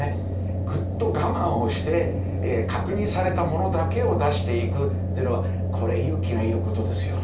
ぐっと我慢をして確認されたものだけを出していくというのはこれ勇気がいることですよね。